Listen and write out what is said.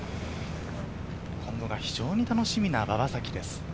今後が非常に楽しみな馬場咲希です。